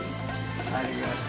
ありがとう。